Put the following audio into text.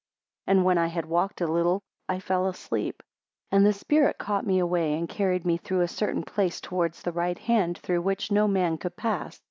3 And when I had walked a little, I fell asleep; and the spirit caught me away, and carried me through a certain place towards the right hand, through which no man could pass.